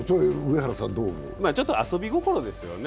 ちょっと遊び心ですよね。